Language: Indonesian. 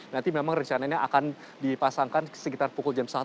nanti memang rencananya akan dipasangkan sekitar pukul jam satu